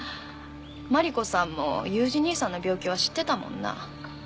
真理子さんも裕二兄さんの病気は知ってたもんな。